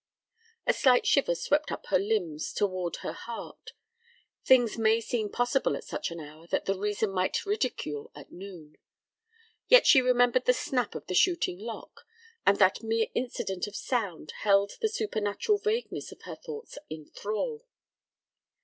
A slight shiver swept up her limbs toward her heart. Things may seem possible at such an hour that the reason might ridicule at noon. Yet she remembered the snap of the shooting lock, and that mere incident of sound held the supernatural vagueness of her thoughts in thrall.